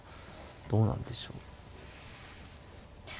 どうなんでしょう。